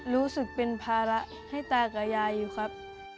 รู้สึกเป็นภาระให้ตากับยายอยู่ครับ